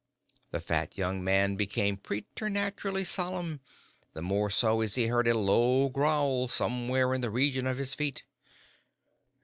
The fat young man became preternaturally solemn, the more so as he heard a low growl somewhere in the region of his feet.